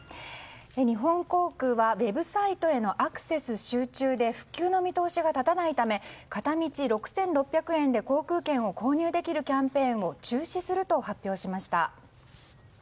日本航空はウェブサイトへのアクセス集中で復旧の見通しが立たないため片道６６００円で航空券を購入できるキャンペーンを中止すると発表しました。